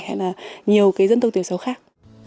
hay là nhiều cái dân tộc tiểu số khác